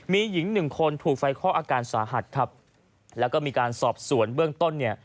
มีหญิงหนึ่งคนถูกไฟคอกอาการสาหัสครับแล้วก็มีการสอบสวนเบื้องต้นเนี่ย